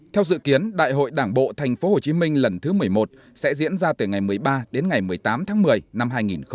theo dự kiến đại hội đảng bộ tp hcm lần thứ một mươi một sẽ diễn ra từ ngày một mươi ba đến ngày một mươi tám tháng một mươi năm hai nghìn hai mươi